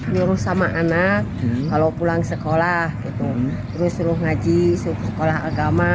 nuruh sama anak kalau pulang sekolah terus turun ngaji sekolah agama